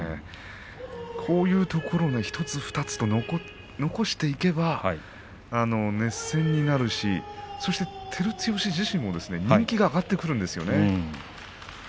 こういうところ１つ２つと残していけば熱戦になるしそして照強自身も人気が上がってくるんです。